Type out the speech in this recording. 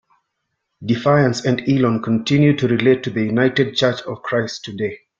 Defiance and Elon continue to relate to the United Church of Christ today.